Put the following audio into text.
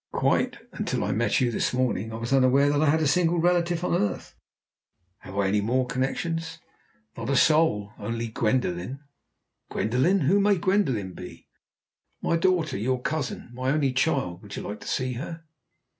"Quite! Until I met you this morning I was unaware that I had a single relative on earth. Have I any more connections?" "Not a soul only Gwendoline." "Gwendoline! and who may Gwendoline be?" "My daughter your cousin. My only child! Would you like to see her?"